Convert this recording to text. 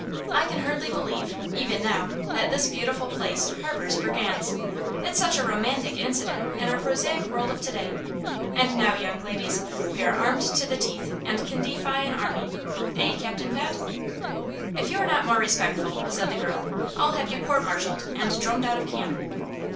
I can hardly believe, even now, that this beautiful place harbors brigands. It's such a romantic incident in our prosaic world of to day. And now, young ladies, we are armed to the teeth and can defy an army. Eh, Captain Pat?" "If you're not more respectful," said the girl, "I'll have you court marshalled and drummed out of camp."